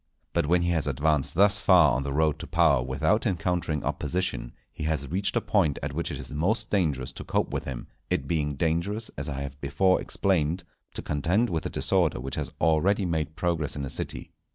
But when he has advanced thus far on the road to power without encountering opposition, he has reached a point at which it is most dangerous to cope with him; it being dangerous, as I have before explained, to contend with a disorder which has already made progress in a city.